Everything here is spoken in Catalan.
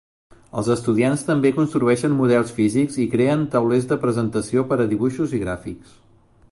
Els estudiants també construeixen models físics i creen taulers de presentació per a dibuixos i gràfics.